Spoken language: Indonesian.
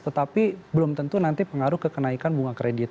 tetapi belum tentu nanti pengaruh ke kenaikan bunga kredit